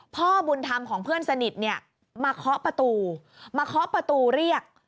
พ่อบุญธรรมของเพื่อนสนิทเนี่ยมาเคาะประตูมาเคาะประตูเรียก